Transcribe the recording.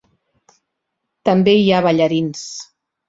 També hi ha ballarins.